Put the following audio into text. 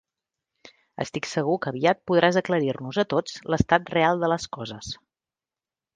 Estic segur que aviat podràs aclarir-nos a tots l'estat real de les coses.